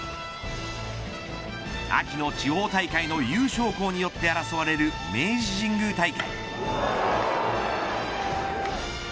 秋の地方大会の優勝校によってあらそわれる明治神宮大会。